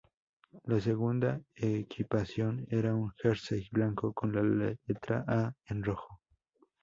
La segunda equipación era un jersey blanco con la letra A en rojo.